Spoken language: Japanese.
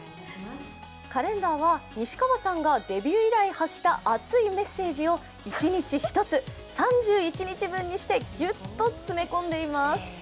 カレンダーは西川さんがデビュー以来、発した熱いメッセージを一日１つ、３１日分にしてギュッと詰め込んでいます。